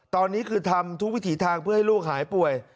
ตอนนี้คือทำทุกวิถีทางเพื่อให้ลูกหายป่วย